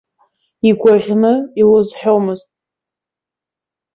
Игәаӷьны илызҳәомызт.